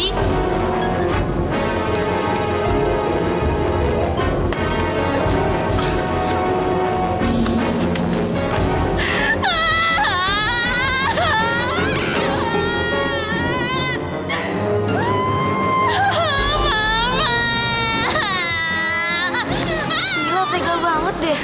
gila pegal banget deh